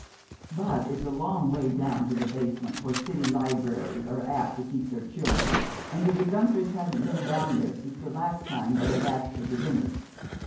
But it's a long way down to the basement where city libraries are apt to keep their children, and the De Guenthers hadn't been down there since the last time they asked her to dinner.